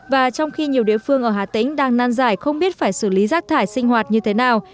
và trong khi nhiều địa phương ở hà tĩnh đang nan giải không biết phải xử lý rác thải sinh hoạt như thế nào